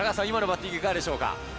今のバッティングいかがでしょうか？